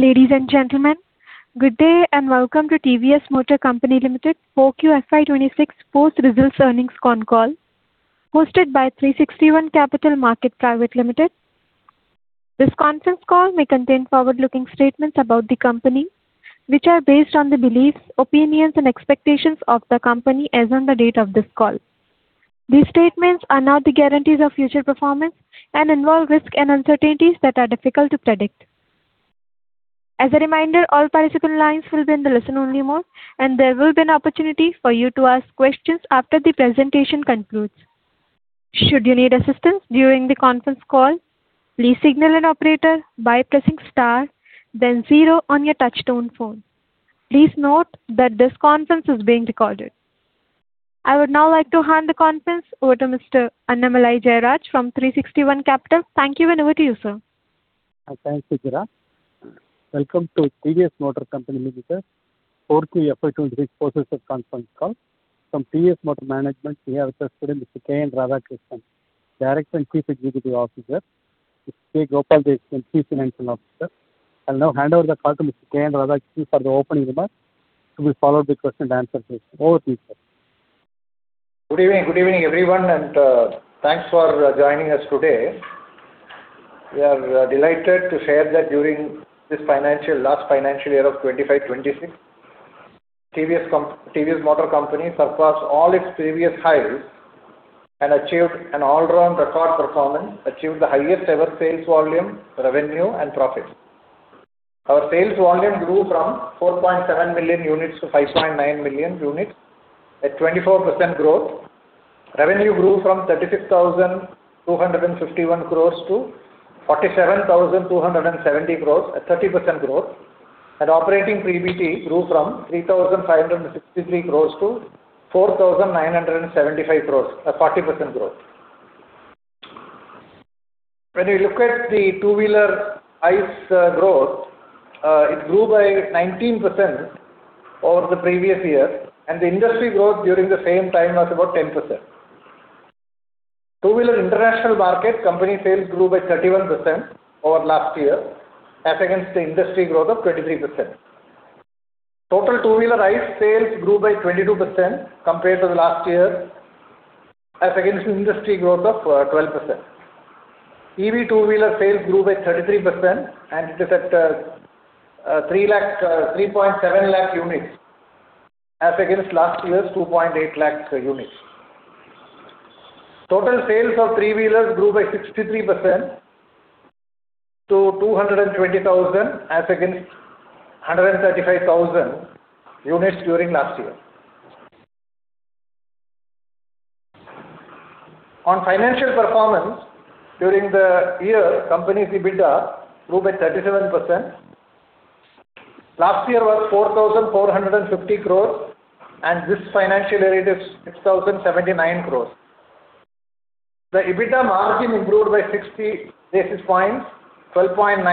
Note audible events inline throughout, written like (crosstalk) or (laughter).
Ladies and gentlemen, good day, and welcome to TVS Motor Company Limited Q4 FY 2026 post results earnings con call hosted by 360 ONE Capital Market Private Limited. This conference call may contain forward-looking statements about the company, which are based on the beliefs, opinions and expectations of the company as on the date of this call. These statements are not the guarantees of future performance and involve risks and uncertainties that are difficult to predict. As a reminder, all participant lines will be in the listen-only mode, and there will be an opportunity for you to ask questions after the presentation concludes. Should you need assistance during the conference call, please signal an operator by pressing star then zero on your touchtone phone. Please note that this conference is being recorded. I would now like to hand the conference over to Mr. Annamalai Jayaraj from 360 ONE Capital. Thank you, and over to you, sir. Thanks, Sujira. Welcome to TVS Motor Company Limited Q4 FY 2026 post results conference call. From TVS Motor management, we have with us today Mr. K. N. Radhakrishnan, Director and Chief Executive Officer, Mr. K. Gopala Desikan, Chief Financial Officer. I'll now hand over the call to Mr. K. N. Radhakrishnan for the opening remarks to be followed by question-and-answer session. Over to you, sir. Good evening, good evening, everyone, and thanks for joining us today. We are delighted to share that during this financial, last financial year of 2025, 2026, TVS Motor Company surpassed all its previous highs and achieved an all-round record performance, achieved the highest ever sales volume, revenue and profits. Our sales volume grew from 4.7 million units to 5.9 million units at 24% growth. Revenue grew from 35,251 crores-47,270 crores at 30% growth. Operating PBT grew from 3,563 crores-4,975 crores, a 40% growth. When we look at the two-wheeler ICE growth, it grew by 19% over the previous year, and the industry growth during the same time was about 10%. Two-wheeler international market company sales grew by 31% over last year as against the industry growth of 23%. Total two-wheeler ICE sales grew by 22% compared to the last year as against industry growth of 12%. EV two-wheeler sales grew by 33%, and it is at 3.7 lakh units as against last year's 2.8 lakh per units. Total sales of three-wheelers grew by 63% to 220,000 as against 135,000 units during last year. On financial performance, during the year, company's EBITDA grew by 37%. Last year was 4,450 crores. This financial year it is 6,079 crores. The EBITDA margin improved by 60 basis points, 12.9%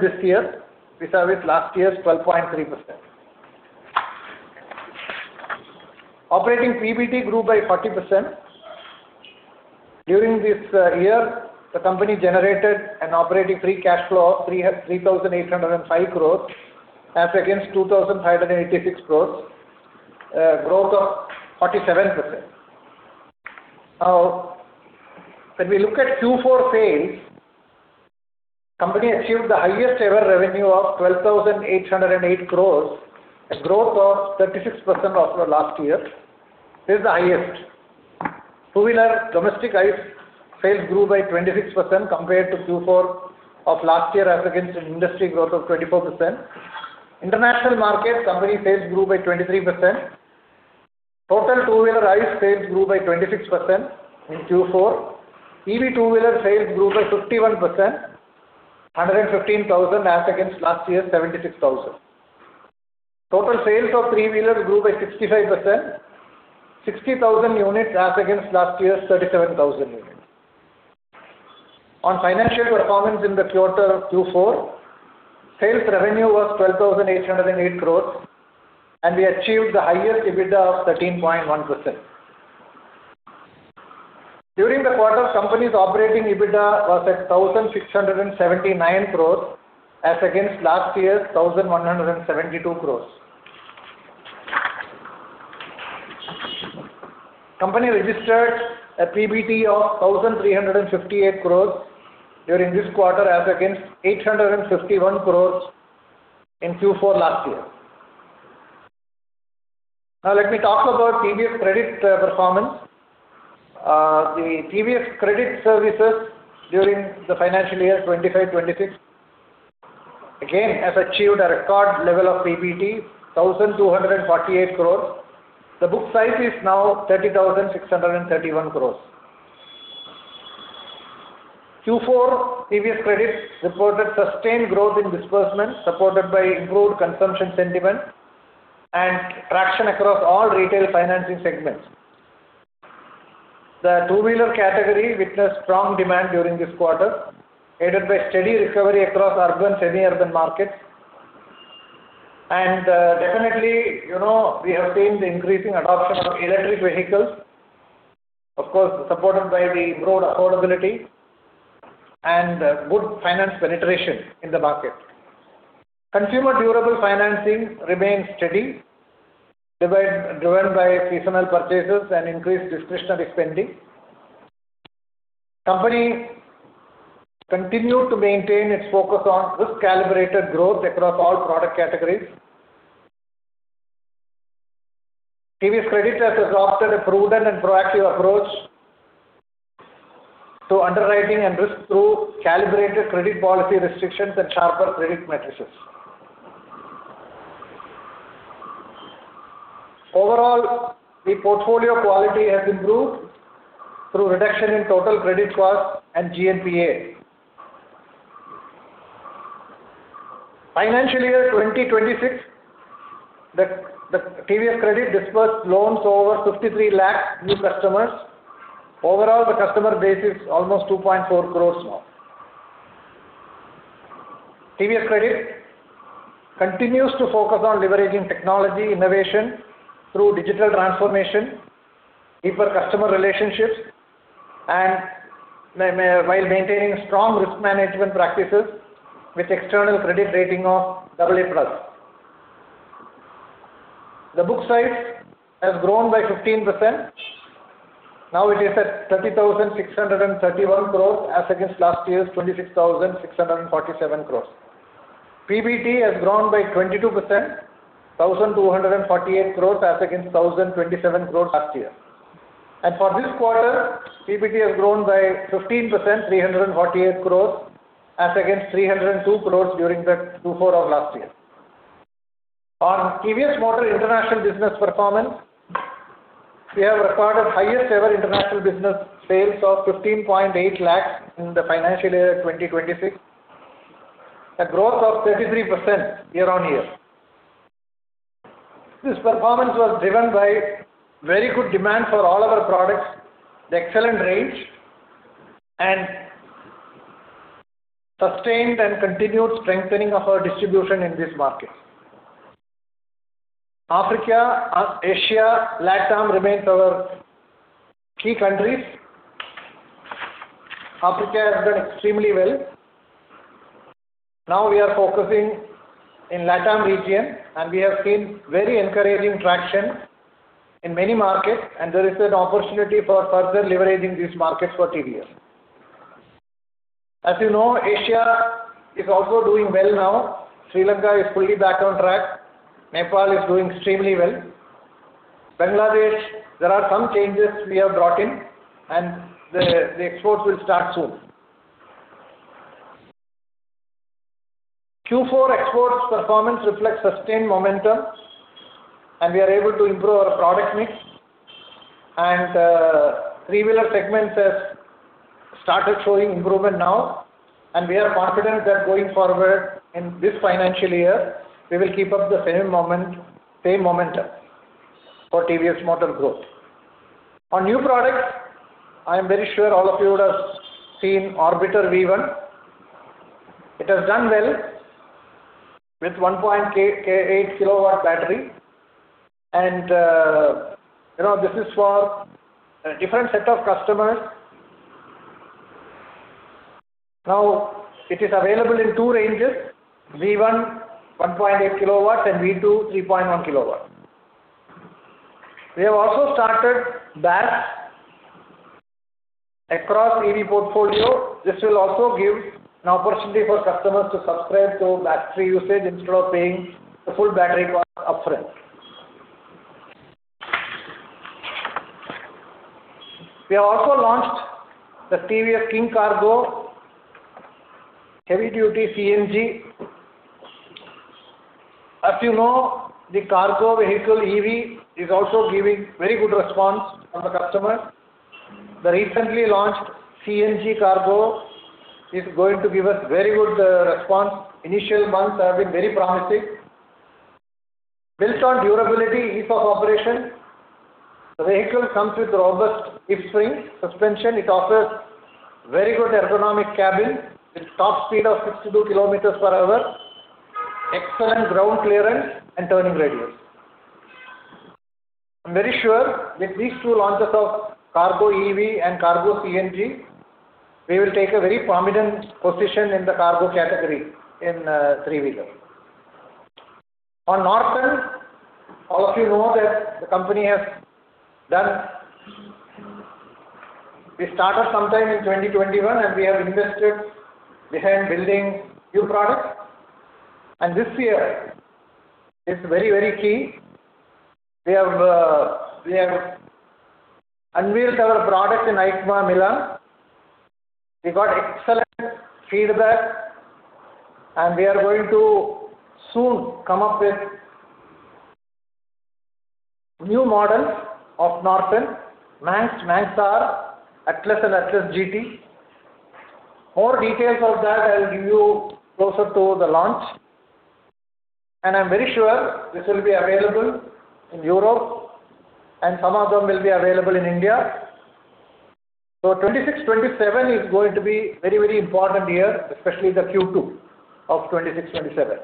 this year vis-à-vis last year's 12.3%. Operating PBT grew by 40%. During this year, the company generated an operating free cash flow of 3,805 crores as against 2,586 crores, a growth of 47%. When we look at Q4 sales, company achieved the highest ever revenue of 12,808 crores, a growth of 36% over last year. This is the highest. Two-wheeler domestic ICE sales grew by 26% compared to Q4 of last year as against industry growth of 24%. International market company sales grew by 23%. Total two-wheeler ICE sales grew by 26% in Q4. EV two-wheeler sales grew by 51%, 115,000 as against last year's 76,000. Total sales of three-wheelers grew by 65%, 60,000 units as against last year's 37,000 units. On financial performance in the quarter Q4, sales revenue was 12,808 crores, and we achieved the highest EBITDA of 13.1%. During the quarter, company's operating EBITDA was at 1,679 crores as against last year's 1,172 crores. Company registered a PBT of 1,358 crores during this quarter as against 851 crores in Q4 last year. Let me talk about TVS Credit performance. The TVS Credit Services during the financial year 2025, 2026 again has achieved a record level of PBT, 1,248 crores. The book size is now 30,631 crores. Q4 TVS Credit reported sustained growth in disbursement, supported by improved consumption sentiment and traction across all retail financing segments. The two-wheeler category witnessed strong demand during this quarter, aided by steady recovery across urban, semi-urban markets. Definitely, you know, we have seen the increasing adoption of electric vehicles, of course, supported by the broad affordability and good finance penetration in the market. Consumer durable financing remains steady, driven by seasonal purchases and increased discretionary spending. Company continued to maintain its focus on risk-calibrated growth across all product categories. TVS Credit has adopted a prudent and proactive approach to underwriting and risk through calibrated credit policy restrictions and sharper credit matrices. Overall, the portfolio quality has improved through reduction in total credit cost and GNPA. Financial year 2026, the TVS Credit disbursed loans to over 53 lakh new customers. Overall, the customer base is almost 2.4 crores now. TVS Credit continues to focus on leveraging technology innovation through digital transformation, deeper customer relationships, and while maintaining strong risk management practices with external credit rating of AA+. The book size has grown by 15%. Now it is at 30,631 crores as against last year's 26,647 crores. PBT has grown by 22%, 1,248 crores as against 1,027 crores last year. For this quarter, PBT has grown by 15%, 348 crores as against 302 crores during the Q4 of last year. On TVS Motor international business performance, we have recorded highest ever international business sales of 15.8 lakhs in the financial year 2026, a growth of 33% year-on-year. This performance was driven by very good demand for all our products, the excellent range, and sustained and continued strengthening of our distribution in these markets. Africa, Asia, LATAM remains our key countries. Africa has done extremely well. Now we are focusing in LATAM region, and we have seen very encouraging traction in many markets, and there is an opportunity for further leveraging these markets for TVS. As you know, Asia is also doing well now. Sri Lanka is fully back on track. Nepal is doing extremely well. Bangladesh, there are some changes we have brought in, and the exports will start soon. Q4 exports performance reflects sustained momentum, and we are able to improve our product mix. Three-wheeler segments has started showing improvement now, and we are confident that going forward in this financial year, we will keep up the same momentum for TVS Motor growth. On new products, I am very sure all of you would have seen Orbiter V1. It has done well with 1.8 kWh battery. You know, this is for a different set of customers. Now, it is available in two ranges, V1, 1.8 kWh and V2, 3.1 kWh. We have also started BaaS across EV portfolio. This will also give an opportunity for customers to subscribe to battery usage instead of paying the full battery cost up front. We have also launched the TVS King Kargo heavy duty CNG. As you know, the cargo vehicle EV is also giving very good response from the customers. The recently launched CNG Cargo is going to give us very good response. Initial months have been very promising. Built on durability, ease of operation, the vehicle comes with robust leaf spring suspension. It offers very good ergonomic cabin with top speed of 62 km/h, excellent ground clearance, and turning radius. I'm very sure with these two launches of Cargo EV and Cargo CNG, we will take a very prominent position in the cargo category in three-wheeler. On Norton, all of you know that we started sometime in 2021, we have invested behind building new products. This year is very key. We have, we have unveiled our product at EICMA, Milan. We got excellent feedback, we are going to soon come up with new models of Norton Manx R, Atlas and Atlas GT. More details of that I'll give you closer to the launch. I'm very sure this will be available in Europe, and some of them will be available in India. 2026, 2027 is going to be very, very important year, especially the Q2 of 2026, 2027.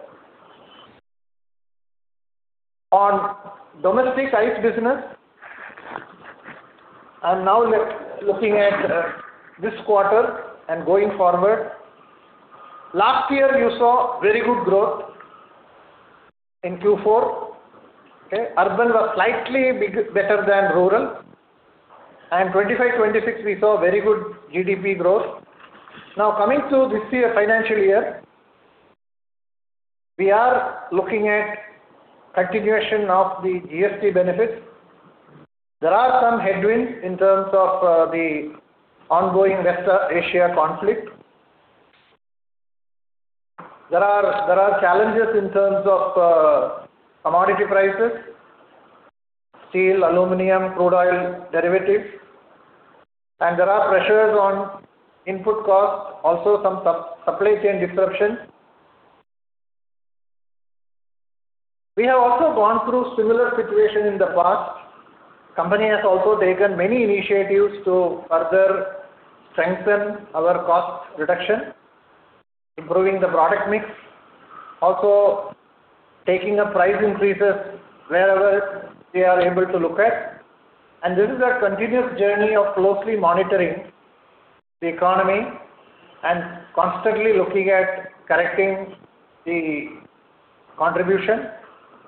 On domestic ICE business, I'm now looking at this quarter and going forward. Last year you saw very good growth in Q4. Okay, urban was slightly better than rural, and 2025, 2026 we saw very good GDP growth. Now, coming to this year financial year, we are looking at continuation of the GST benefits. There are some headwinds in terms of the ongoing West Asia conflict. There are challenges in terms of commodity prices: steel, aluminum, crude oil derivatives, and there are pressures on input costs, also some supply chain disruptions. We have also gone through similar situation in the past. Company has also taken many initiatives to further strengthen our cost reduction, improving the product mix, also taking the price increases wherever we are able to look at. This is a continuous journey of closely monitoring the economy and constantly looking at correcting the contribution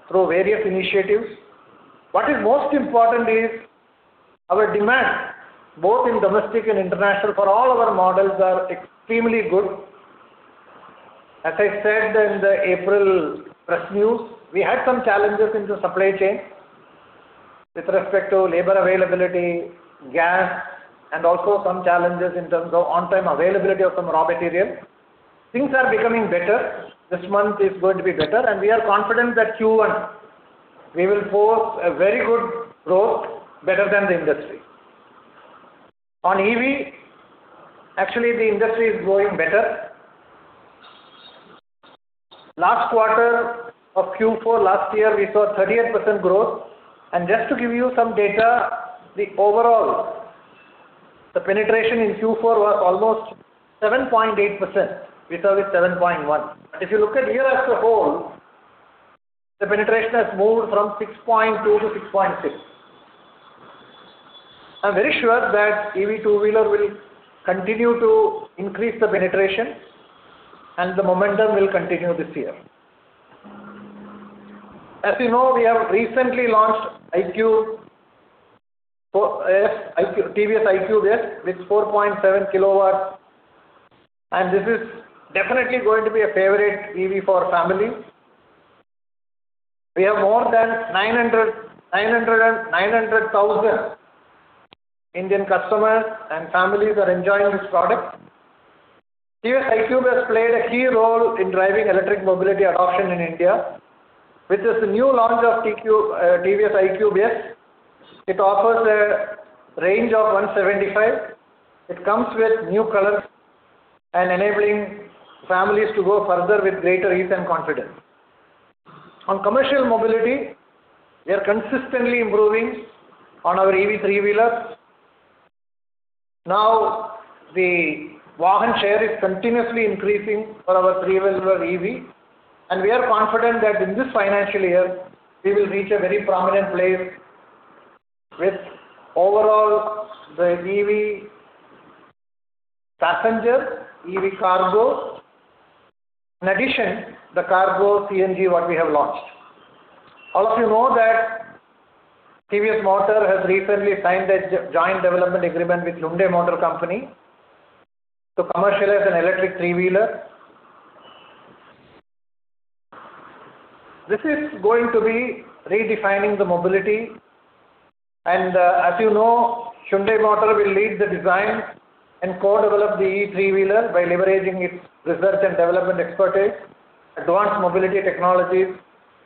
through various initiatives. What is most important is our demand, both in domestic and international for all our models are extremely good. As I said in the April press news, we had some challenges in the supply chain with respect to labor availability, gas, and also some challenges in terms of on-time availability of some raw material. Things are becoming better. This month is going to be better. We are confident that Q1 we will post a very good growth better than the industry. On EV, actually the industry is growing better. Last quarter of Q4 last year, we saw 38% growth. Just to give you some data, the overall, the penetration in Q4 was almost 7.8%. We saw it 7.1%. If you look at year as a whole, the penetration has moved from 6.2%-6.6%. I'm very sure that EV two wheeler will continue to increase the penetration and the momentum will continue this year. As you know, we have recently launched TVS iQube S with 4.7 kWh, and this is definitely going to be a favorite EV for family. We have more than 900,000 Indian customers and families are enjoying this product. TVS iQube has played a key role in driving electric mobility adoption in India. With this new launch of TVS iQube S, it offers a range of 175. It comes with new colors and enabling families to go further with greater ease and confidence. On commercial mobility, we are consistently improving on our EV three-wheeler. Now, the Vahan share is continuously increasing for our three-wheeler EV, and we are confident that in this financial year we will reach a very prominent place with overall the EV passenger, EV cargo. In addition, the cargo CNG, what we have launched. All of you know that TVS Motor has recently signed a joint development agreement with Hyundai Motor Company to commercialize an electric three-wheeler. This is going to be redefining the mobility. As you know, Hyundai Motor will lead the design and co-develop the E three-wheeler by leveraging its research and development expertise, advanced mobility technologies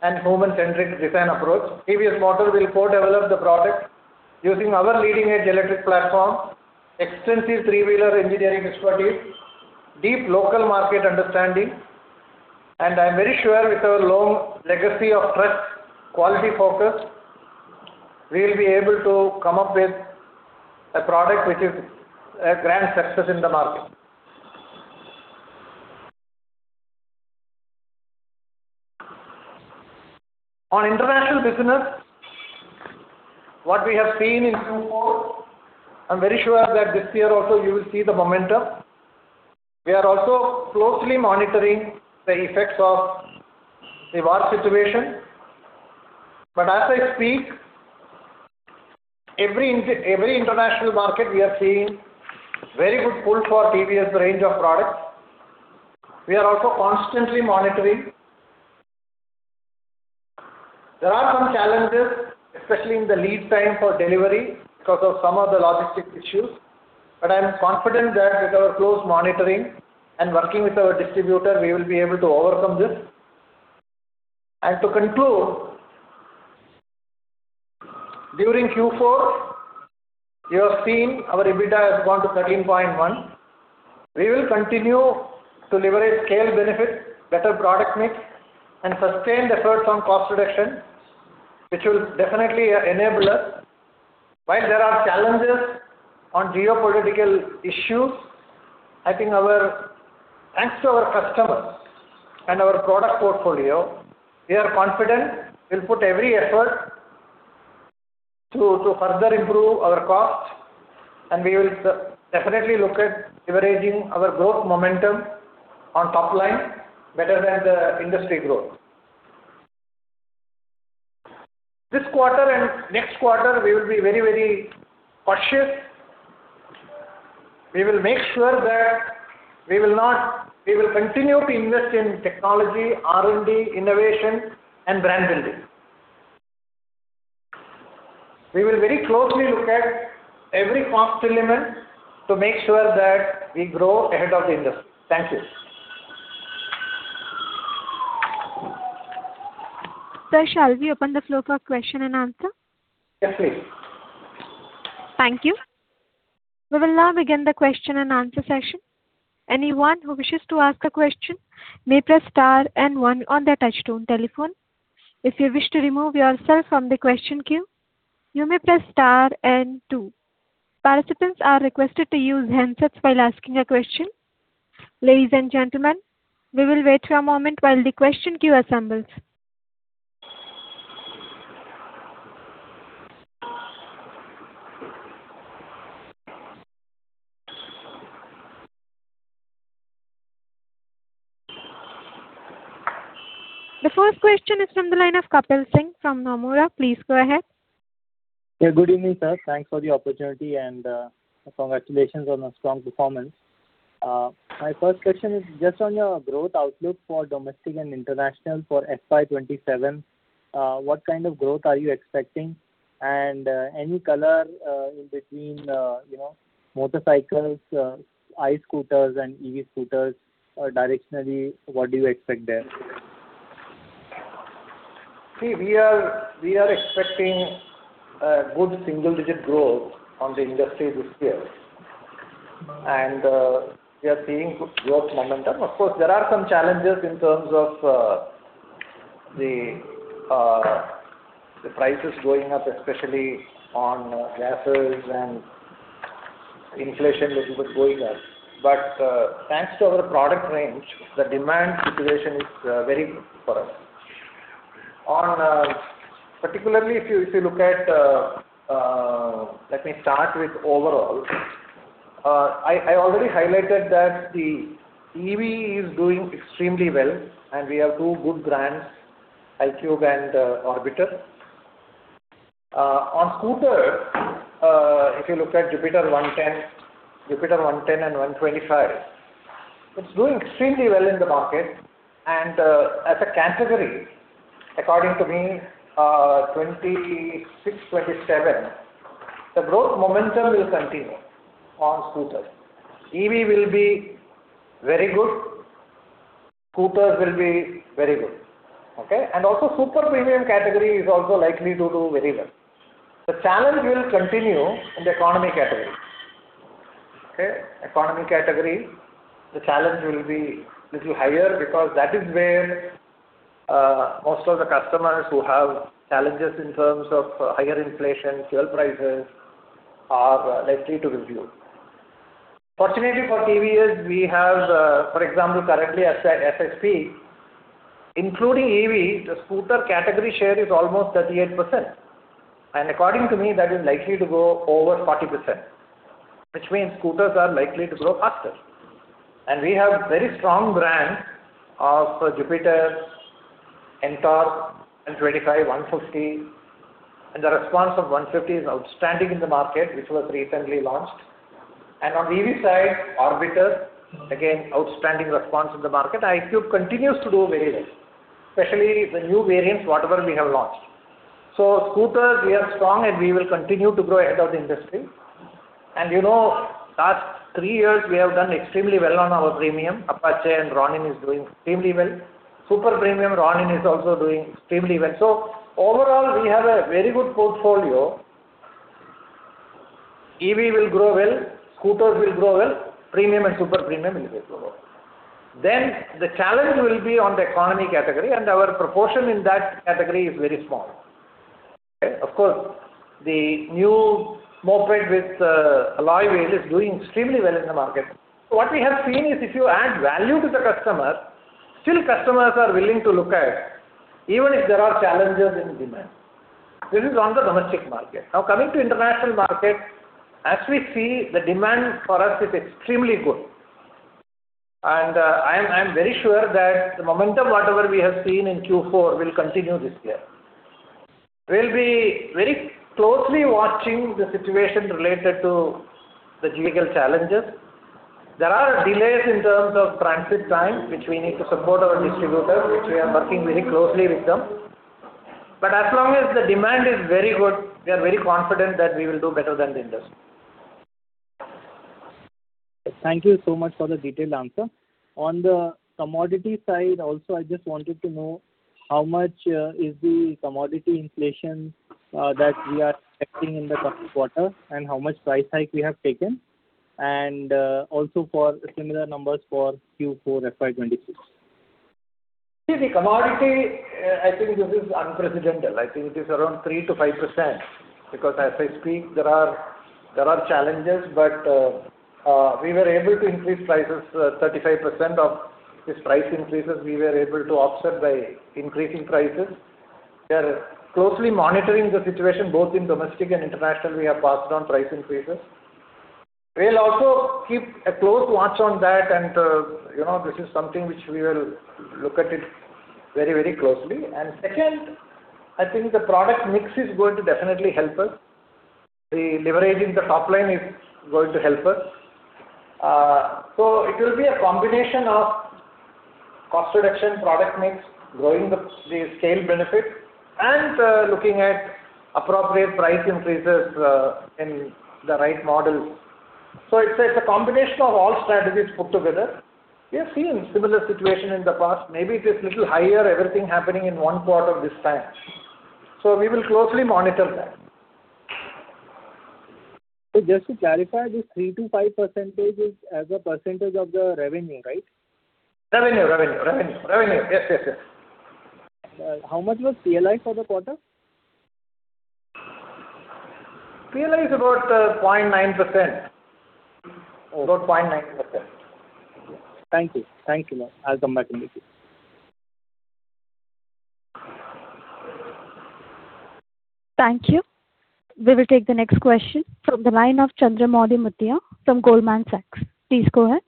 and human-centric design approach. TVS Motor will co-develop the product using our leading-edge electric platform, extensive three-wheeler engineering expertise, deep local market understanding. I'm very sure with our long legacy of trust, quality focus, we will be able to come up with a product which is a grand success in the market. On international business, what we have seen in Q4, I'm very sure that this year also you will see the momentum. We are also closely monitoring the effects of the war situation. As I speak, every international market, we are seeing very good pull for TVS range of products. We are also constantly monitoring. There are some challenges, especially in the lead time for delivery because of some of the logistics issues. I am confident that with our close monitoring and working with our distributor, we will be able to overcome this. To conclude, during Q4, you have seen our EBITDA has gone to 13.1%. We will continue to leverage scale benefits, better product mix and sustained efforts on cost reduction, which will definitely enable us. While there are challenges on geopolitical issues, I think our thanks to our customers and our product portfolio, we are confident we'll put every effort to further improve our cost, and we will definitely look at leveraging our growth momentum on top line better than the industry growth. This quarter and next quarter, we will be very, very cautious. We will make sure that we will continue to invest in technology, R&D, innovation, and brand building. We will very closely look at every cost element to make sure that we grow ahead of the industry. Thank you. Sir, shall we open the floor for question-and-answer? Yes, please. Thank you. We will now begin the question-and-answer session. Anyone who wishes to ask a question may press star and one on your touchtone telephone. If you wish to remove yourself in the question queue, you may press star and two. Participants are requested to use handsets while asking a question. Ladies and gentlemen, we will wait for a moment while the question queues assembles. The first question is from the line of Kapil Singh from Nomura. Please go ahead. Yeah, good evening, sir. Thanks for the opportunity and congratulations on a strong performance. My first question is just on your growth outlook for domestic and international for FY 2027. What kind of growth are you expecting? Any color, in between, you know, motorcycles, i-scooters and EV-scooters, directionally, what do you expect there? We are expecting good single-digit growth on the industry this year. We are seeing good growth momentum. Of course, there are some challenges in terms of the prices going up, especially on gases and inflation little bit going up. Thanks to our product range, the demand situation is very good for us. Particularly if you look at, let me start with overall. I already highlighted that the EV is doing extremely well, and we have two good brands, iQube and Orbiter. On scooter, if you look at TVS Jupiter 110, TVS Jupiter 110 and 125, it's doing extremely well in the market. As a category, according to me, 2026, 2027, the growth momentum will continue on scooters. EV will be very good. Scooters will be very good. Okay? Also super premium category is also likely to do very well. The challenge will continue in the economy category. Okay? Economy category, the challenge will be little higher because that is where most of the customers who have challenges in terms of higher inflation, fuel prices are likely to review. Fortunately for TVS, we have, for example, currently at SSP, including EV, the scooter category share is almost 38%. According to me, that is likely to go over 40%, which means scooters are likely to grow faster. We have very strong brand of Jupiter, NTORQ, and 25, 150. The response of 150 is outstanding in the market, which was recently launched. On EV side, Orbiter, again, outstanding response in the market. iQube continues to do very well, especially the new variants, whatever we have launched. Scooters, we are strong, and we will continue to grow ahead of the industry. You know, last three years, we have done extremely well on our premium. Apache and Ronin is doing extremely well. Super premium, Ronin is also doing extremely well. Overall, we have a very good portfolio. EV will grow well. Scooters will grow well. Premium and super premium will grow well. The challenge will be on the economy category, and our proportion in that category is very small. Okay. Of course, the new moped with alloy wheel is doing extremely well in the market. What we have seen is if you add value to the customer, still customers are willing to look at, even if there are challenges in demand. This is on the domestic market. Coming to international market, as we see, the demand for us is extremely good. I am very sure that the momentum, whatever we have seen in Q4, will continue this year. We'll be very closely watching the situation related to the geopolitical challenges. There are delays in terms of transit time, which we need to support our distributors, which we are working very closely with them. As long as the demand is very good, we are very confident that we will do better than the industry. Thank you so much for the detailed answer. On the commodity side also, I just wanted to know how much is the commodity inflation that we are expecting in the coming quarter and how much price hike we have taken? Also for similar numbers for Q4 FY 2026. See, the commodity, I think this is unprecedented. I think it is around 3%-5% because as I speak there are, there are challenges, but we were able to increase prices 35% of these price increases we were able to offset by increasing prices. We are closely monitoring the situation, both in domestic and international, we have passed on price increases. We'll also keep a close watch on that and, you know, this is something which we will look at it very, very closely. Second, I think the product mix is going to definitely help us. The leverage in the top line is going to help us. So it will be a combination of cost reduction, product mix, growing the scale benefit and looking at appropriate price increases in the right models. It's a combination of all strategies put together. We have seen similar situation in the past. Maybe it is little higher, everything happening in one quarter this time. We will closely monitor that. Just to clarify, this 3%-5% is as a percentage of the revenue, right? Revenue. Yes. How much was PLI for the quarter? PLI is about 0.9%. Oh. About 0.9%. Thank you. Thank you. I'll come back to you. Thank you. We will take the next question from the line of Chandramouli Muthiah from Goldman Sachs. Please go ahead.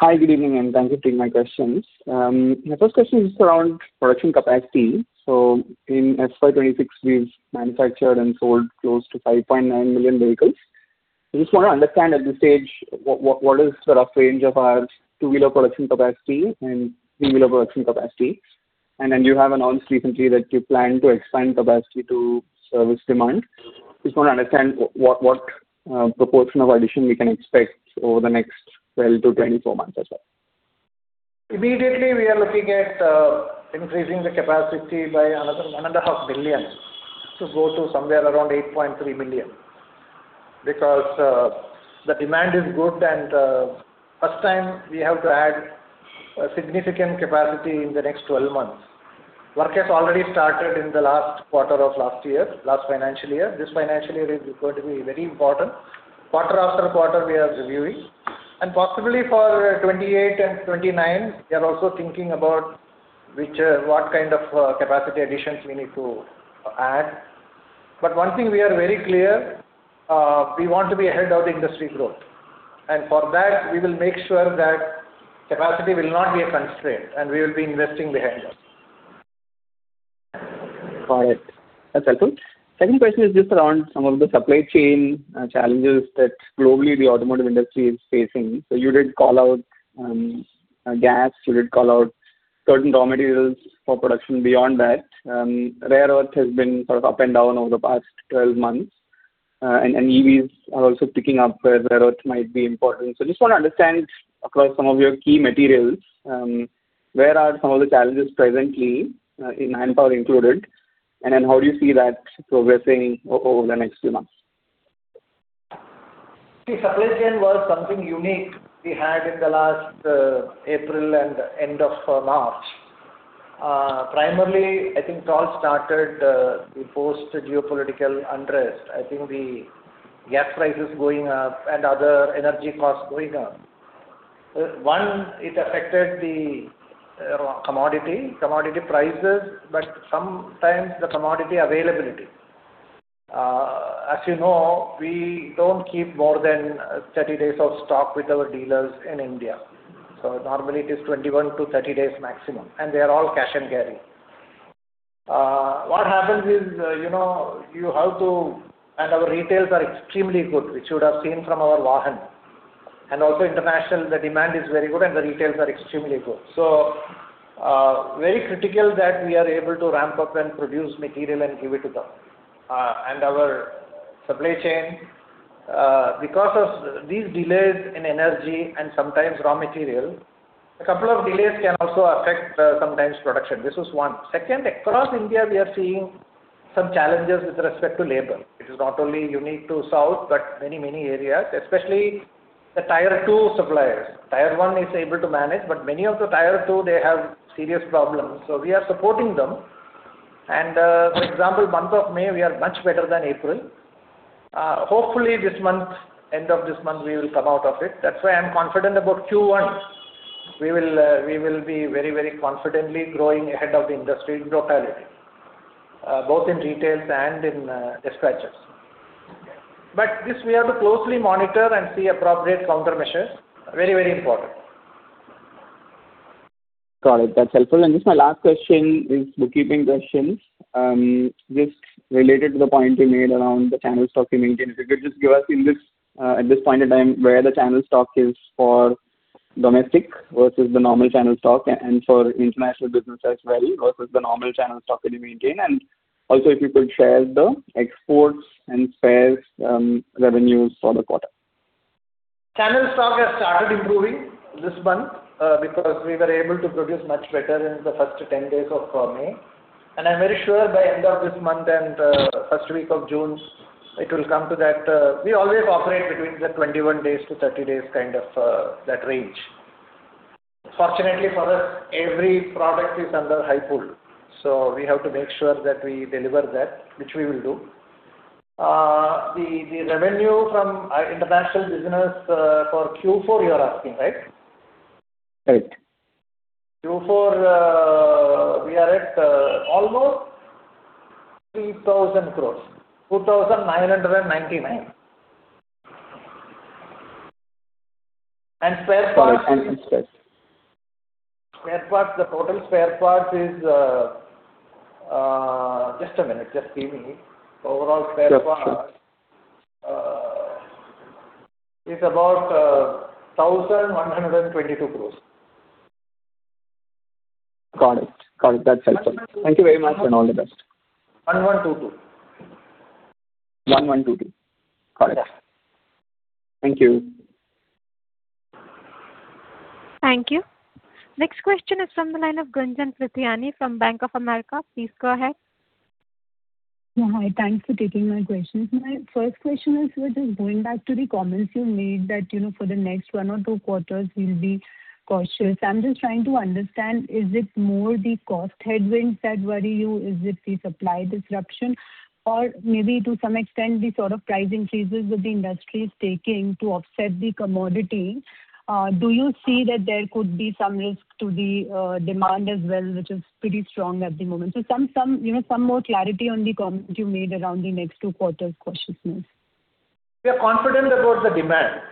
Hi, good evening, and thanks for taking my questions. My first question is around production capacity. In FY 2026, we've manufactured and sold close to 5.9 million vehicles. I just want to understand at this stage, what is sort of range of our two-wheeler production capacity and three-wheeler production capacity? You have announced recently that you plan to expand capacity to service demand. Just want to understand what proportion of addition we can expect over the next 12-24 months as well. Immediately, we are looking at increasing the capacity by another 1.5 million, to go to somewhere around 8.3 million. Because the demand is good and first time we have to add a significant capacity in the next 12 months. Work has already started in the last quarter of last year, last financial year. This financial year is going to be very important. Quarter-after-quarter we are reviewing. Possibly for 2028 and 2029, we are also thinking about which, what kind of capacity additions we need to add. One thing we are very clear, we want to be ahead of the industry growth. For that, we will make sure that capacity will not be a constraint, and we will be investing behind us. Got it. That's helpful. Second question is just around some of the supply chain challenges that globally the automotive industry is facing. You did call out gas, you did call out certain raw materials for production beyond that. Rare earth has been sort of up and down over the past 12 months. EVs are also picking up where rare earth might be important. Just want to understand across some of your key materials, where are some of the challenges presently, in manpower included, and then how do you see that progressing over the next few months? Supply chain was something unique we had in the last April and end of March. Primarily, I think it all started the post geopolitical unrest. I think the gas prices going up and other energy costs going up. One, it affected the commodity prices, but sometimes the commodity availability. As you know, we don't keep more than 30 days of stock with our dealers in India. Normally it is 21-30 days maximum, and they are all cash and carry. What happens is, you know, you have to, our retails are extremely good, which you would have seen from our Vahan. Also international, the demand is very good and the retails are extremely good. Very critical that we are able to ramp up and produce material and give it to them. Our supply chain, because of these delays in energy and sometimes raw material, a couple of delays can also affect sometimes production. This is one. Second, across India, we are seeing some challenges with respect to labor. It is not only unique to south, but many, many areas, especially the Tier 2 suppliers. Tier 1 is able to manage, but many of the Tier 2, they have serious problems, so we are supporting them. For example, month of May, we are much better than April. Hopefully this month, end of this month, we will come out of it. That's why I'm confident about Q1. We will be very, very confidently growing ahead of the industry in totality, both in retails and in dispatches. This we have to closely monitor and see appropriate countermeasures. Very, very important. Got it. That's helpful. Just my last question is bookkeeping questions. Just related to the point you made around the channel stock you maintain. If you could just give us in this, at this point in time, where the channel stock is for domestic versus the normal channel stock and for international business as well, versus the normal channel stock that you maintain. Also if you could share the exports and spares, revenues for the quarter. Channel stock has started improving this month because we were able to produce much better in the first 10 days of May. I'm very sure by end of this month and first week of June, it will come to that. We always operate between the 21 days to 30 days kind of that range. Fortunately for us, every product is under high pool, so we have to make sure that we deliver that, which we will do. The revenue from international business for Q4 you're asking, right? Right. Q4, we are at, almost 3,000 crores. 2,999. Spare parts? Spare parts, the total spare parts is, just a minute. Just give me overall spare parts is about, 1,122 crores. Got it. Got it. That's helpful. Thank you very much and all the best. 1,122. 1,122. Got it. Thank you. Thank you. Next question is from the line of Gunjan Prithyani from Bank of America. Please go ahead. Yeah. Hi. Thanks for taking my questions. My first question is with just going back to the comments you made that, you know, for the next one or two quarters you'll be cautious. I'm just trying to understand, is it more the cost headwinds that worry you? Is it the supply disruption? Or maybe to some extent the sort of pricing phases that the industry is taking to offset the commodity, do you see that there could be some risk to the demand as well, which is pretty strong at the moment? Some, you know, some more clarity on the comment you made around the next two quarters cautiousness. We are confident about the demand.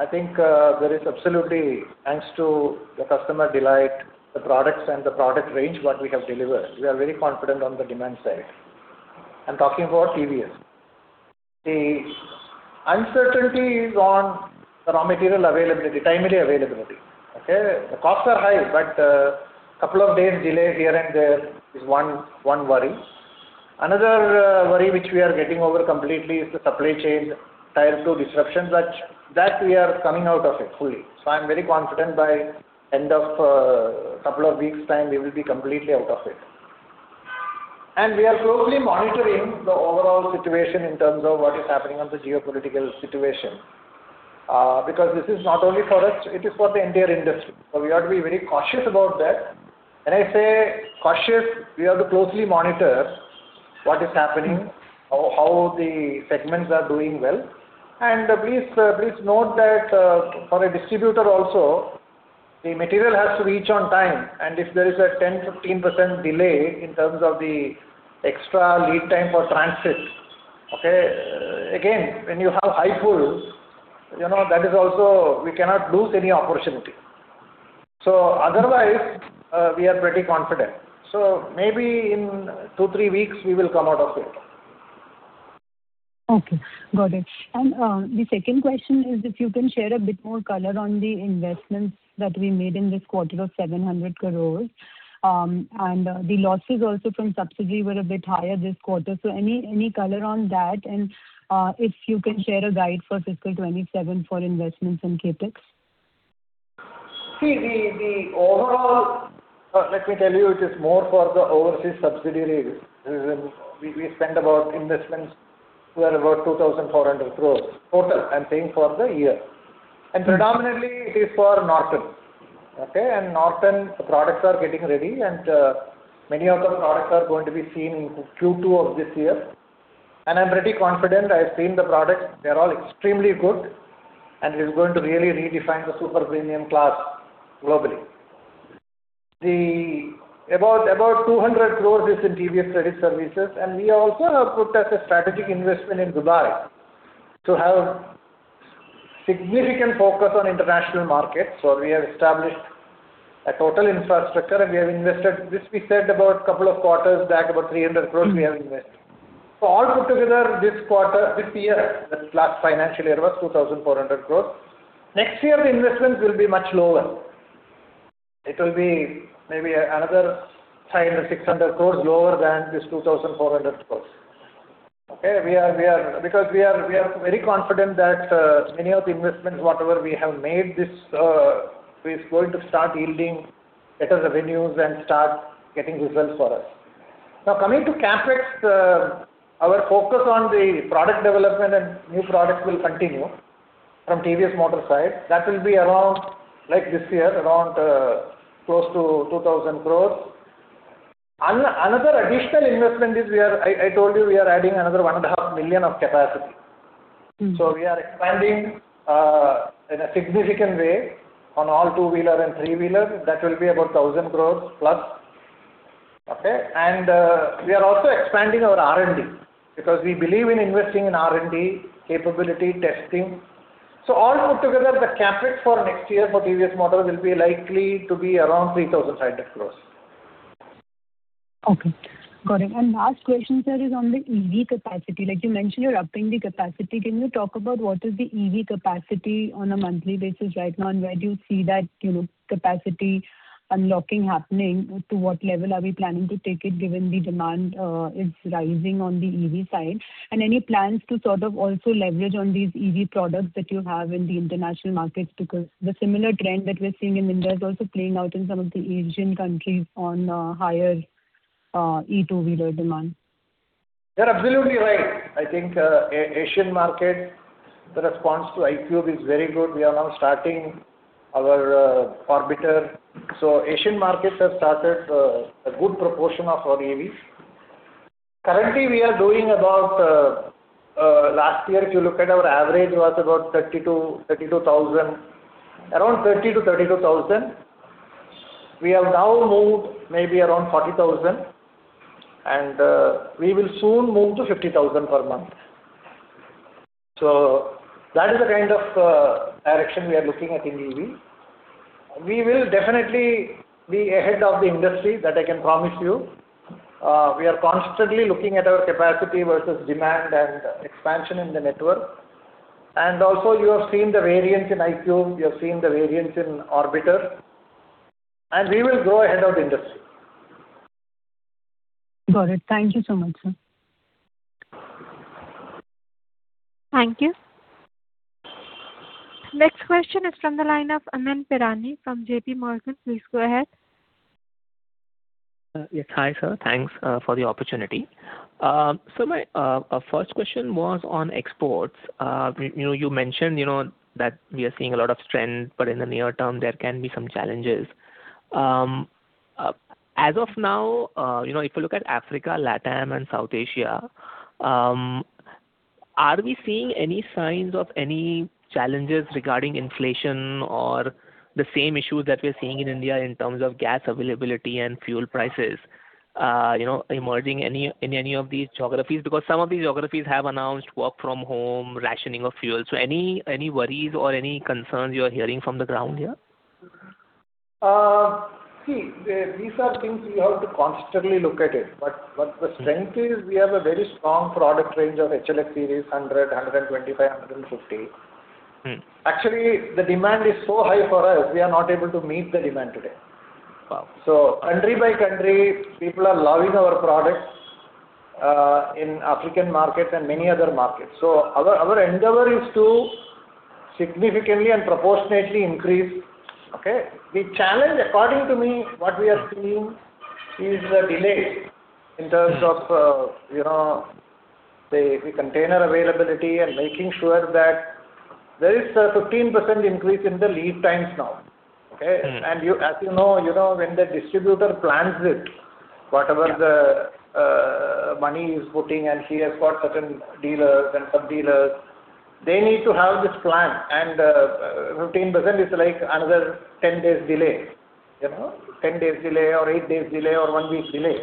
I think there is absolutely, thanks to the customer delight, the products and the product range what we have delivered. We are very confident on the demand side. I'm talking about TVS. The uncertainty is on the raw material availability, timely availability. Okay. The costs are high, but a couple of days delay here and there is one worry. Another worry which we are getting over completely is the supply chain tie-up to disruptions. That we are coming out of it fully. I'm very confident by end of couple of weeks time we will be completely out of it. We are closely monitoring the overall situation in terms of what is happening on the geopolitical situation. Because this is not only for us, it is for the entire industry. We have to be very cautious about that. When I say cautious, we have to closely monitor what is happening, how the segments are doing well. Please note that for a distributor also, the material has to reach on time and if there is a 10%-15% delay in terms of the extra lead time for transit, again, when you have high pools, you know, that is also we cannot lose any opportunity. Otherwise, we are pretty confident. Maybe in two to three weeks we will come out of it. Okay. Got it. The second question is if you can share a bit more color on the investments that we made in this quarter of 700 crores. The losses also from subsidy were a bit higher this quarter. Any color on that? If you can share a guide for FY 2027 for investments in CapEx. See, the overall, let me tell you, it is more for the overseas subsidiary. We spent about investments were about 2,400 crores total, I'm saying for the year. Predominantly it is for Norton. Okay? Norton products are getting ready and many of the products are going to be seen in Q2 of this year. I'm pretty confident. I've seen the products. They're all extremely good and it is going to really redefine the super premium class globally. About IINR 200 crores is in TVS Credit Services, and we also have put as a strategic investment in Dubai to have significant focus on international markets. We have established a total infrastructure, and we have invested. This we said about a couple of quarters back, about 300 crores. All put together this quarter, this year, the last financial year was 2,400 crores. Next year the investments will be much lower. It will be maybe another 500-600 crores lower than this 2,400 crores. Okay? We are very confident that many of the investments, whatever we have made this, is going to start yielding better revenues and start getting results for us. Coming to CapEx, our focus on the product development and new products will continue from TVS Motor side. That will be around this year, around close to 2,000 crores. Another additional investment is we are I told you we are adding another 1.5 million of capacity. We are expanding in a significant way on all two-wheeler and three-wheeler. That will be about INR 1,000 crores plus. Okay? We are also expanding our R&D because we believe in investing in R&D capability testing. All put together, the CapEx for next year for TVS Motor will be likely to be around 3,500 crores. Okay. Got it. Last question, sir, is on the EV capacity. Like you mentioned, you're upping the capacity. Can you talk about what is the EV capacity on a monthly basis right now? Where do you see that, you know, capacity unlocking happening? To what level are we planning to take it given the demand is rising on the EV side? Any plans to sort of also leverage on these EV products that you have in the international markets? Because the similar trend that we're seeing in India is also playing out in some of the Asian countries on higher E two-wheeler demand. You're absolutely right. I think Asian market, the response to iQube is very good. We are now starting our Orbiter. Asian markets have started a good proportion of our EVs. Currently, we are doing about last year, if you look at our average was about 32,000. Around 30,000-32,000. We have now moved maybe around 40,000 and we will soon move to 50,000 per month. That is the kind of direction we are looking at in EV. We will definitely be ahead of the industry, that I can promise you. We are constantly looking at our capacity versus demand and expansion in the network. Also you have seen the variance in iQube, you have seen the variance in Orbiter, and we will go ahead of the industry. Got it. Thank you so much, sir. Thank you. Next question is from the line of Amyn Pirani from JPMorgan. Please go ahead. Yes. Hi, sir. Thanks for the opportunity. My first question was on exports. You know, you mentioned, you know, that we are seeing a lot of strength, but in the near term there can be some challenges. As of now, you know, if you look at Africa, LATAM and South Asia, are we seeing any signs of any challenges regarding inflation or the same issues that we are seeing in India in terms of gas availability and fuel prices, you know, emerging in any of these geographies? Some of these geographies have announced work from home, rationing of fuel. Any, any worries or any concerns you are hearing from the ground here? See, these are things we have to constantly look at it, but the strength is we have a very strong product range of HLX series, 100, 125, 150. Actually, the demand is so high for us, we are not able to meet the demand today. Wow. Country by country, people are loving our products in African markets and many other markets. Our endeavor is to significantly and proportionately increase. The challenge, according to me, what we are seeing is the delay in terms of, you know, the container availability and making sure that there is a 15% increase in the lead times now. As you know, you know, when the distributor plans it, whatever the money he's putting and he has got certain dealers and sub dealers, they need to have this plan. 15% is like another 10 days delay. You know? 10 days delay or eight days delay or one week delay.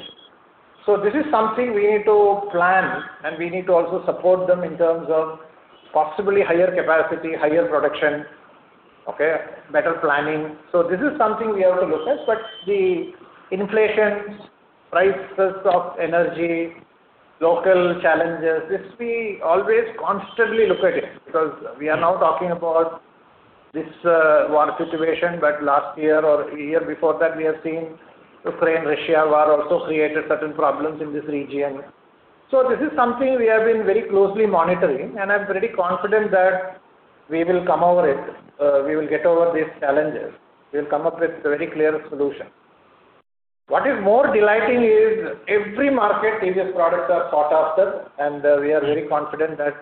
This is something we need to plan and we need to also support them in terms of possibly higher capacity, higher production, okay, better planning. This is something we have to look at. The inflation, prices of energy, local challenges, this we always constantly look at it because we are now talking about this war situation. Last year or year before that, we have seen Ukraine-Russia war also created certain problems in this region. This is something we have been very closely monitoring, and I'm pretty confident that we will come over it. We will get over these challenges. We'll come up with very clear solution. What is more delighting is every market EV products are sought after, and we are very confident that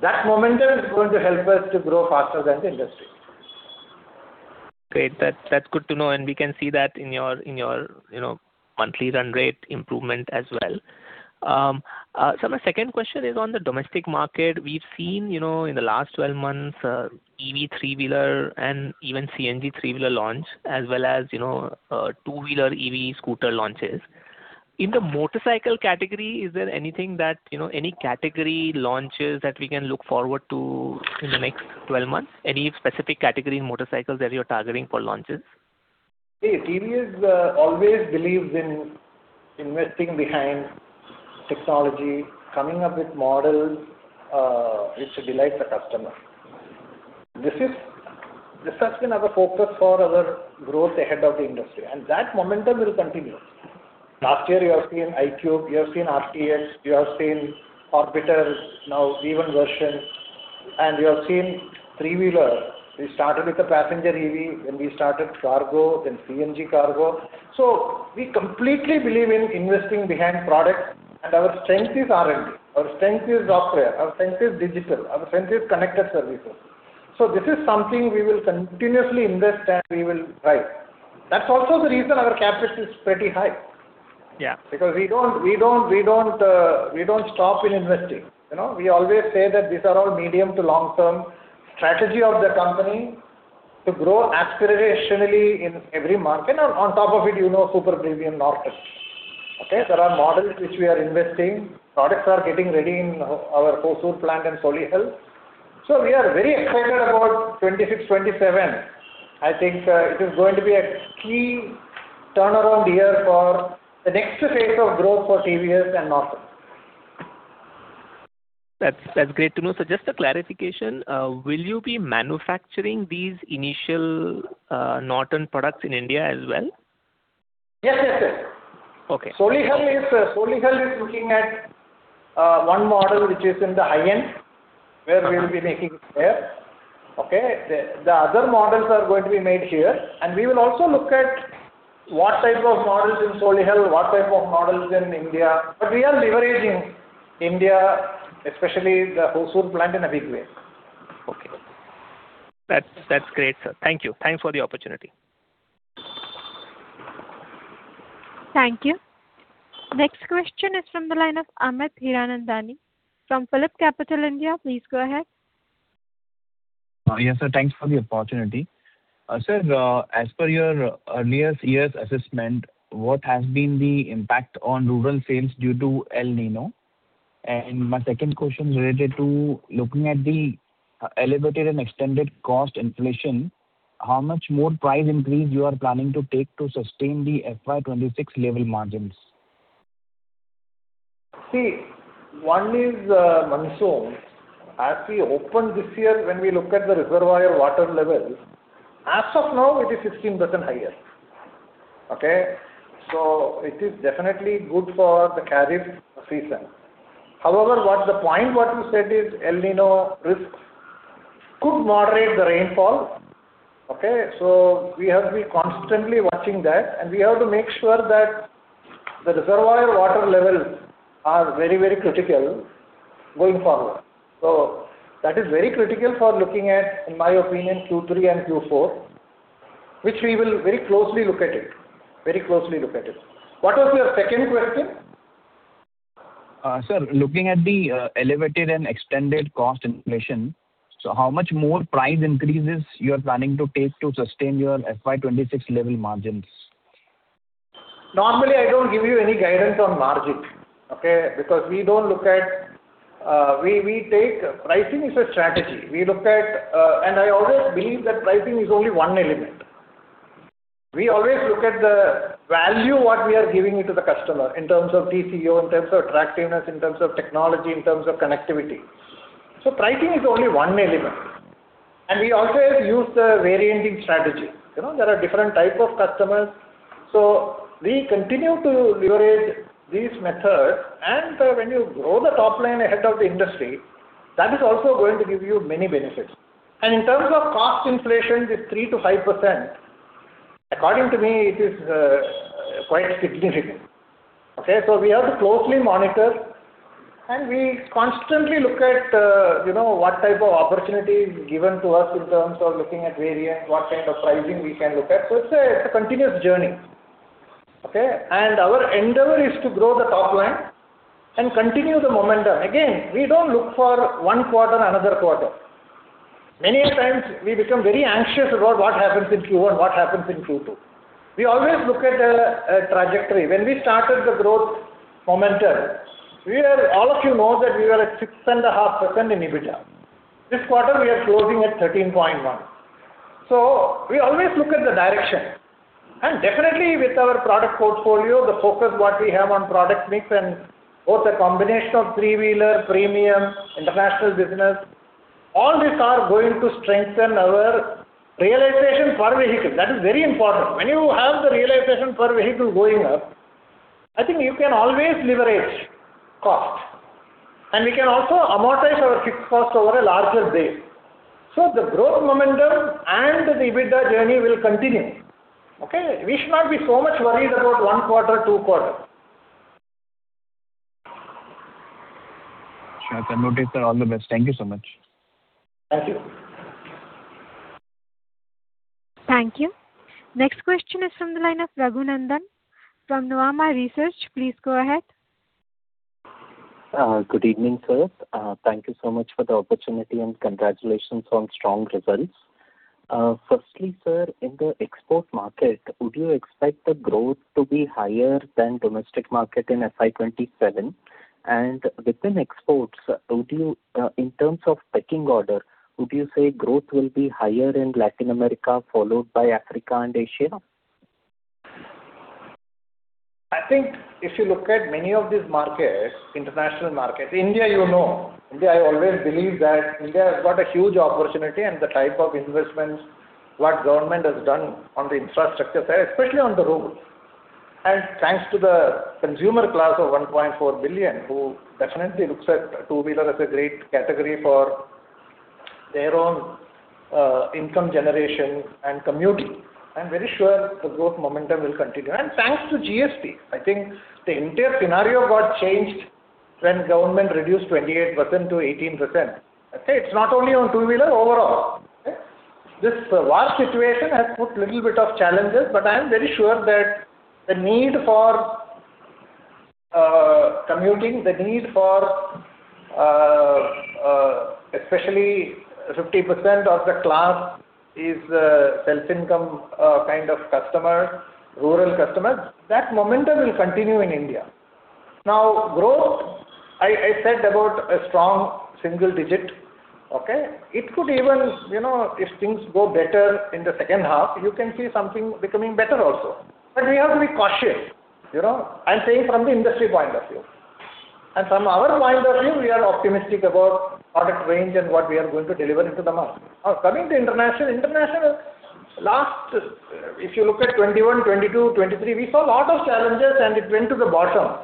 that momentum is going to help us to grow faster than the industry. Great. That's good to know, and we can see that in your, you know, monthly run rate improvement as well. My second question is on the domestic market. We've seen, you know, in the last 12 months, EV three-wheeler and even CNG three-wheeler launch, as well as, you know, two-wheeler EV scooter launches. In the motorcycle category, is there anything that, you know, any category launches that we can look forward to in the next 12 months? Any specific category in motorcycles that you're targeting for launches? See, TVS always believes in investing behind technology, coming up with models which delight the customer. This has been our focus for our growth ahead of the industry, and that momentum will continue. Last year you have seen iQube, you have seen RTX, you have seen Orbiter, now V1 version, and you have seen three-wheeler. We started with a passenger EV, then we started cargo, then CNG cargo. We completely believe in investing behind products. Our strength is R&D, our strength is software, our strength is digital, our strength is connected services. This is something we will continuously invest and we will drive. That's also the reason our CapEx is pretty high. Yeah. We don't stop in investing. You know? We always say that these are all medium to long-term strategy of the company to grow aspirationally in every market. On top of it, you know, Super Premium Norton. Okay? There are models which we are investing. Products are getting ready in our Hosur plant and Solihull. We are very excited about 2026, 2027. I think it is going to be a key turnaround year for the next phase of growth for TVS and Norton. That's great to know. Just a clarification, will you be manufacturing these initial Norton products in India as well? Yes, yes. Okay. Solihull is looking at one model which is in the high-end, where we'll be making it there. Okay. The other models are going to be made here. We will also look at what type of models in Solihull, what type of models in India. We are leveraging India, especially the Hosur plant in a big way. Okay. That's great, sir. Thank you. Thanks for the opportunity. Thank you. Next question is from the line of Amit Hiranandani from PhillipCapital India. Please go ahead. Yes, sir. Thanks for the opportunity. Sir, as per your earlier year's assessment, what has been the impact on rural sales due to El Niño? My second question related to looking at the elevated and extended cost inflation, how much more price increase you are planning to take to sustain the FY 2026 level margins? One is monsoon. As we open this year, when we look at the reservoir water levels, as of now it is 16% higher. Okay. It is definitely good for the Kharif season. However, what the point what you said is El Niño risk could moderate the rainfall. Okay. We have to be constantly watching that, and we have to make sure that the reservoir water levels are very critical going forward. That is very critical for looking at, in my opinion, Q3 and Q4, which we will very closely look at it. What was your second question? Sir, looking at the elevated and extended cost inflation, how much more price increases you are planning to take to sustain your FY 2026 level margins? Normally, I don't give you any guidance on margin. Because we don't look at, we take pricing is a strategy. We look at, and I always believe that pricing is only one element. We always look at the value what we are giving it to the customer in terms of TCO, in terms of attractiveness, in terms of technology, in terms of connectivity. Pricing is only one element. We always use the varianting strategy. You know, there are different type of customers. We continue to leverage these methods. When you grow the top line ahead of the industry, that is also going to give you many benefits. In terms of cost inflation with 3%-5%, according to me, it is quite significant. Okay. We have to closely monitor, and we constantly look at, you know, what type of opportunity is given to us in terms of looking at variants, what kind of pricing we can look at. It's a continuous journey. Okay. Our endeavor is to grow the top line and continue the momentum. Again, we don't look for one quarter, another quarter. Many a times we become very anxious about what happens in Q1, what happens in Q2. We always look at a trajectory. When we started the growth momentum, we were, all of you know that we were at 6.5% in EBITDA. This quarter we are closing at 13.1%. We always look at the direction. Definitely with our product portfolio, the focus what we have on product mix and both the combination of three-wheeler, premium, international business, all these are going to strengthen our realization per vehicle. That is very important. When you have the realization per vehicle going up, I think you can always leverage cost. We can also amortize our fixed cost over a larger base. The growth momentum and the EBITDA journey will continue. Okay? We should not be so much worried about one quarter, two quarter. Sure. I'll note it, sir. All the best. Thank you so much. Thank you. Thank you. Next question is from the line of Raghu Nandan from Nuvama Research. Please go ahead. Good evening, sir. Thank you so much for the opportunity, and congratulations on strong results. Firstly, sir, in the export market, would you expect the growth to be higher than domestic market in FY 2027? Within exports, would you, in terms of pecking order, would you say growth will be higher in Latin America followed by Africa and Asia? I think if you look at many of these markets, international markets, India, you know. India, I always believe that India has got a huge opportunity and the type of investments what government has done on the infrastructure side, especially on the road. Thanks to the consumer class of 1.4 billion, who definitely looks at two-wheeler as a great category for their own income generation and commuting. I'm very sure the growth momentum will continue. Thanks to GST. I think the entire scenario got changed when government reduced 28%-18%. Okay. It's not only on two-wheeler, overall. Okay. This war situation has put little bit of challenges, but I am very sure that the need for commuting, the need for, especially 50% of the class is self-income kind of customer, rural customer, that momentum will continue in India. Now growth, I said about a strong single-digit, okay? It could even, you know, if things go better in the second half, you can see something becoming better also. We have to be cautious, you know. I'm saying from the industry point of view. From our point of view, we are optimistic about product range and what we are going to deliver into the market. Now, coming to international. International, last, if you look at 2021, 2022, 2023, we saw a lot of challenges, and it went to the bottom.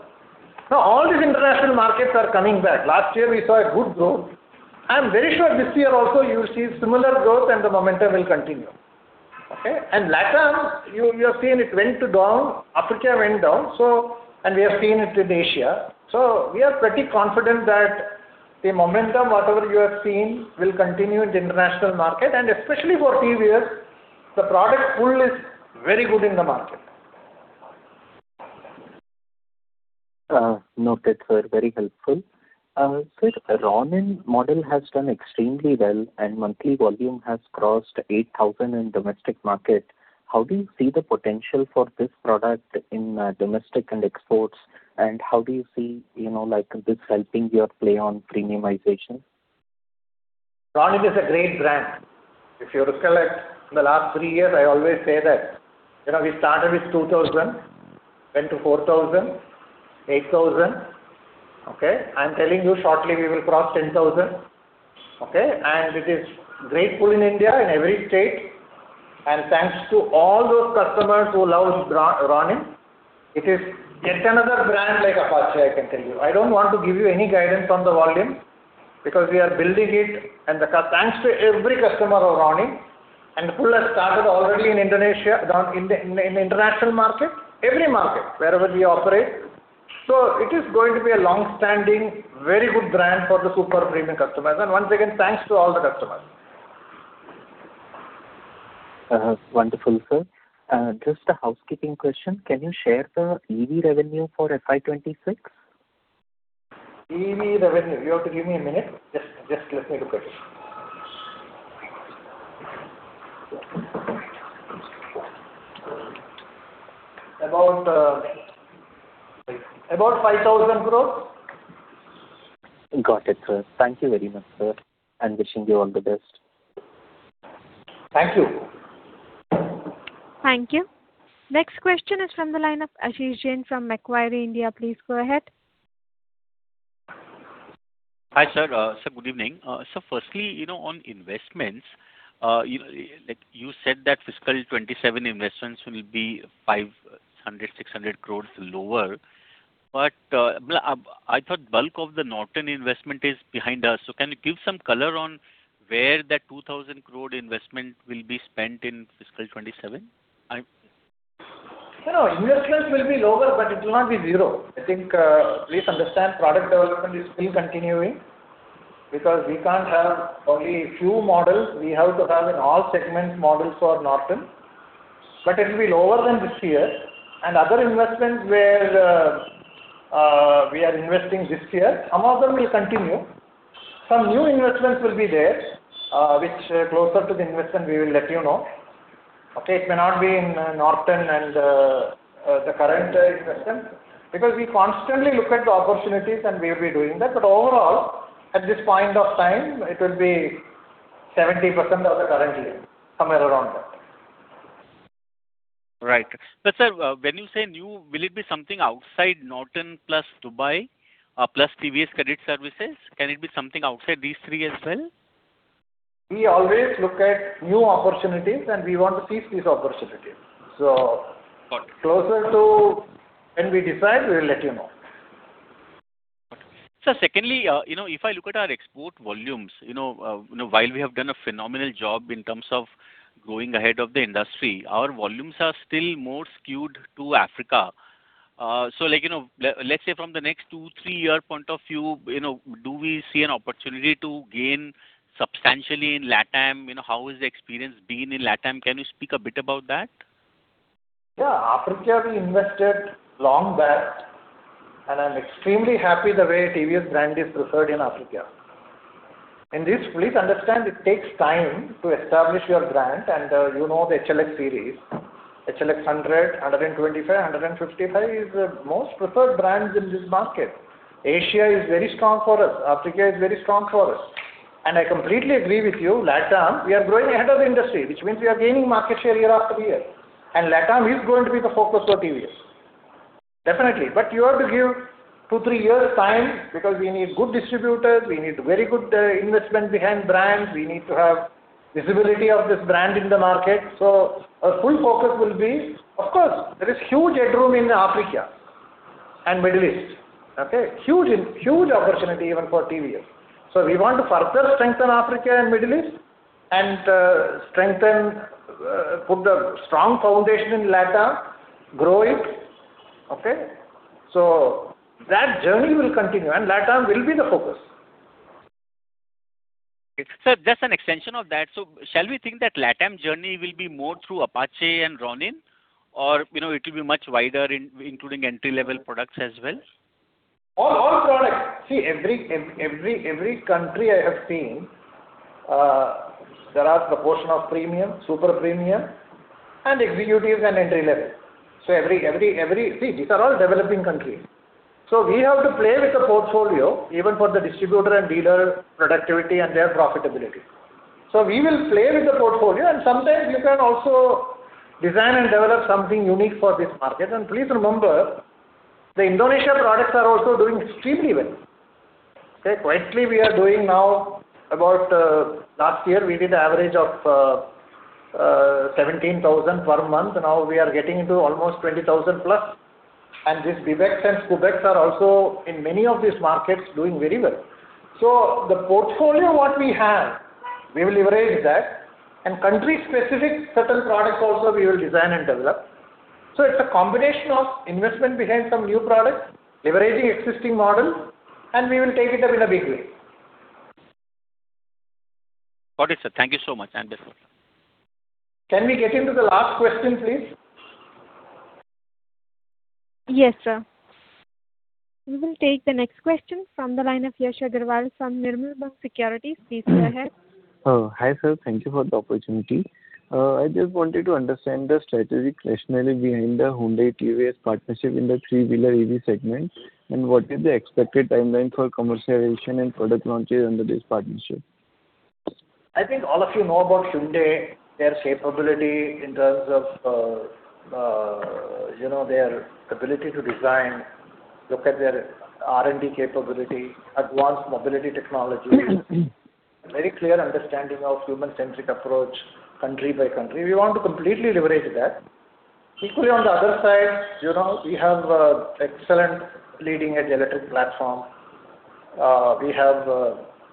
Now, all these international markets are coming back. Last year, we saw a good growth. I'm very sure this year also you will see similar growth and the momentum will continue. Okay? LATAM, you have seen it went to down. Africa went down. We have seen it in Asia. We are pretty confident that the momentum, whatever you have seen, will continue in the international market. Especially for TVS, the product pool is very good in the market. Noted, sir. Very helpful. Sir, Ronin model has done extremely well, and monthly volume has crossed 8,000 in domestic market. How do you see the potential for this product in domestic and exports? How do you see, you know, like, this helping your play on premiumization? Ronin is a great brand. If you recall, the last three years, I always say that, you know, we started with 2,000, went to 4,000, 8,000. Okay. I'm telling you shortly we will cross 10,000. Okay. It is great pool in India in every state. Thanks to all those customers who loves Ronin. It is yet another brand like Apache, I can tell you. I don't want to give you any guidance on the volume because we are building it. The thanks to every customer of Ronin. The pool has started already in Indonesia, down in the, in the, in international market, every market wherever we operate. It is going to be a longstanding, very good brand for the super premium customers. Once again, thanks to all the customers. Wonderful, sir. Just a housekeeping question. Can you share the EV revenue for FY 2026? EV revenue. You have to give me a minute. Just let me look at it. About 5,000 crore. Got it, sir. Thank you very much, sir. Wishing you all the best. Thank you. Thank you. Next question is from the line of Ashish Jain from Macquarie India. Please go ahead. Hi, sir. Sir, good evening. Firstly, you know, on investments, you said that FY 2027 investments will be 500 crore-600 crore lower. I thought bulk of the Norton investment is behind us. Can you give some color on where that 2,000 crore investment will be spent in FY 2027? You know, investments will be lower, it will not be zero. I think, please understand product development is still continuing because we can't have only few models. We have to have in all segments models for Norton. It will be lower than this year. Other investments where we are investing this year, some of them will continue. Some new investments will be there, which closer to the investment we will let you know. Okay? It may not be in Norton, the current investment because we constantly look at the opportunities and we will be doing that. Overall, at this point of time, it will be 70% of the currently, somewhere around that. Right. Sir, when you say new, will it be something outside Norton plus Dubai, plus TVS Credit Services? Can it be something outside these three as well? We always look at new opportunities, and we want to seize these opportunities. Got it. Closer to when we decide, we will let you know. Got it. Sir, secondly, you know, if I look at our export volumes, you know, you know, while we have done a phenomenal job in terms of growing ahead of the industry, our volumes are still more skewed to Africa. Like, you know, let's say from the next two, three year point of view, you know, do we see an opportunity to gain substantially in LATAM? You know, how is the experience been in LATAM? Can you speak a bit about that? Yeah. Africa, we invested long back, and I'm extremely happy the way TVS brand is preferred in Africa. In this, please understand it takes time to establish your brand. You know, the HLX series. HLX 100, 125, 155 is the most preferred brands in this market. Asia is very strong for us. Africa is very strong for us. I completely agree with you, LATAM, we are growing ahead of the industry, which means we are gaining market share year after year. LATAM is going to be the focus for TVS. Definitely. You have to give two, three years' time because we need good distributors. We need very good investment behind brands. We need to have visibility of this brand in the market. Our full focus will be. Of course, there is huge headroom in Africa and Middle East. Okay? Huge opportunity even for TVS. We want to further strengthen Africa and Middle East and strengthen put a strong foundation in LATAM, grow it. Okay? That journey will continue, and LATAM will be the focus. Sir, just an extension of that. Shall we think that LATAM journey will be more through Apache and Ronin? You know, it will be much wider including entry-level products as well? All products. See, every country I have seen, there are proportion of premium, super premium, and executives and entry level. Every, every-- see, these are all developing countries. We have to play with the portfolio even for the distributor and dealer productivity and their profitability. We will play with the portfolio, and sometimes you can also design and develop something unique for this market. Please remember, the Indonesia products are also doing extremely well. Okay? Quietly, we are doing now about, last year we did average of 17,000 per month. Now we are getting into almost 20,000+. And this (audio distortion) are also in many of these markets doing very well. The portfolio what we have, we will leverage that, and country-specific certain products also we will design and develop. It's a combination of investment behind some new products, leveraging existing models, and we will take it up in a big way. Got it, sir. Thank you so much. Can we get into the last question, please? Yes, sir. We will take the next question from the line of Yash Agarwal from Nirmal Bang Securities. Please go ahead. Hi, sir. Thank you for the opportunity. I just wanted to understand the strategic rationale behind the Hyundai TVS partnership in the three-wheeler EV segment. What is the expected timeline for commercialization and product launches under this partnership? I think all of you know about Hyundai, their capability in terms of, you know, their ability to design, look at their R&D capability, advanced mobility technology. Very clear understanding of human-centric approach country by country. We want to completely leverage that. Equally, on the other side, you know, we have excellent leading-edge electric platform. We have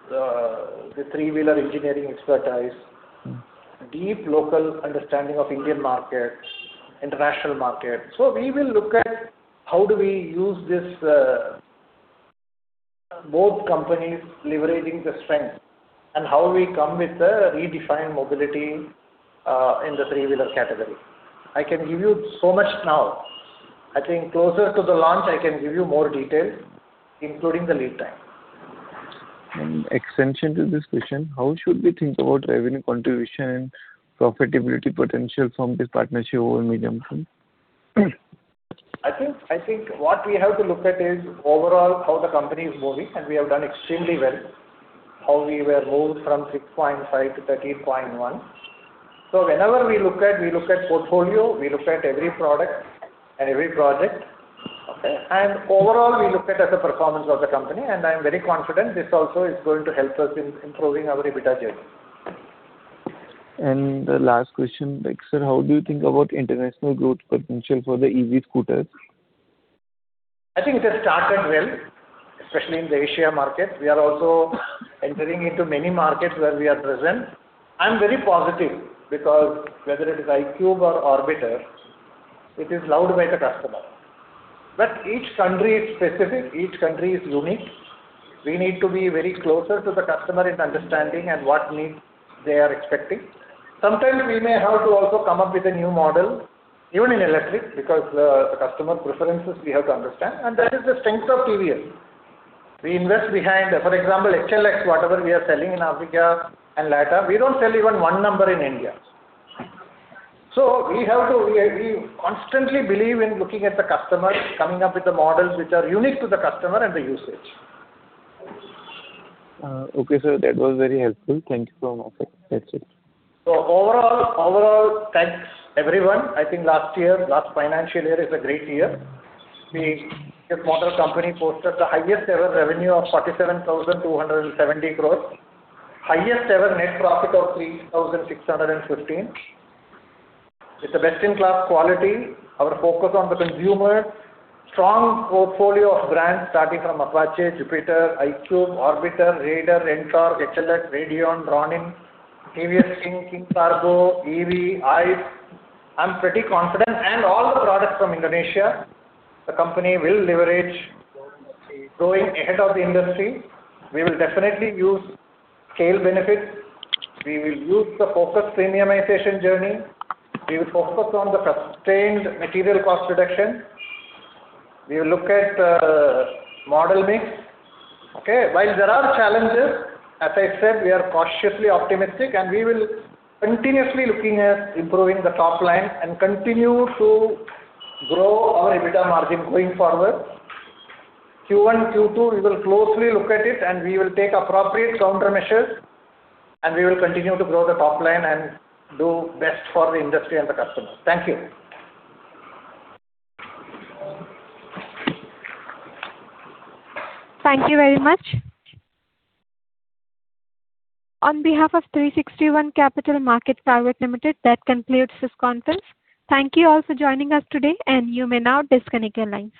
the three-wheeler engineering expertise, deep local understanding of Indian market, international market. We will look at how do we use this, both companies leveraging the strength and how we come with a redefined mobility in the three-wheeler category. I can give you so much now. I think closer to the launch I can give you more details, including the lead time. An extension to this question. How should we think about revenue contribution and profitability potential from this partnership over medium term? I think what we have to look at is overall how the company is moving. We have done extremely well, how we were moved from 6.5%-3.1%. Whenever we look at portfolio, we look at every product and every project, okay? Overall, we look at the performance of the company, and I am very confident this also is going to help us in improving our EBITDA journey. The last question. Like, sir, how do you think about international growth potential for the EV scooters? I think it has started well, especially in the Asia market. We are also entering into many markets where we are present. I'm very positive because whether it is iQube or Orbiter, it is loved by the customer. Each country is specific, each country is unique. We need to be very closer to the customer in understanding and what needs they are expecting. Sometimes we may have to also come up with a new model, even in electric, because the customer preferences we have to understand, and that is the strength of TVS. We invest behind For example, HLX, whatever we are selling in Africa and LATAM, we don't sell even one number in India. We constantly believe in looking at the customer, coming up with the models which are unique to the customer and the usage. Okay, Sir. That was very helpful. Thank you so much. That's it. Thanks everyone. I think last financial year is a great year. TVS Motor Company posted the highest ever revenue of 47,270 crores. Highest ever net profit of 3,615. With the best-in-class quality, our focus on the consumer, strong portfolio of brands starting from Apache, Jupiter, iQube, Orbiter, Raider, NTORQ, HLX, Radeon, Ronin, TVS King Kargo, EV, I. I'm pretty confident all the products from Indonesia, the company will leverage, going ahead of the industry. We will definitely use scale benefits. We will use the focused premiumization journey. We will focus on the sustained material cost reduction. We will look at model mix. Okay? While there are challenges, as I said, we are cautiously optimistic, and we will continuously looking at improving the top line and continue to grow our EBITDA margin going forward. Q1, Q2, we will closely look at it, and we will take appropriate countermeasures, and we will continue to grow the top line and do best for the industry and the customers. Thank you. Thank you very much. On behalf of 360 ONE Capital Market Private Limited, that concludes this conference. Thank you all for joining us today, and you may now disconnect your lines.